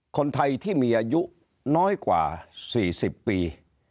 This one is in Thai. คนไทยที่มีอายุน้อยกว่า๔๐ปี